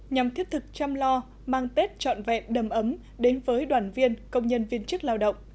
nhằm thiết thực chăm lo mang tết trọn vẹn đầm ấm đến với đoàn viên công nhân viên chức lao động